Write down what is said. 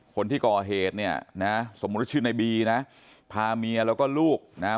คนที่ก่อเหตุเนี่ยนะสมมุติว่าชื่อในบีนะพาเมียแล้วก็ลูกนะฮะ